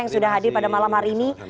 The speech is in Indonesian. yang sudah hadir pada malam hari ini